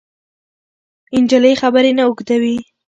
نجلۍ خبرې نه اوږدوي.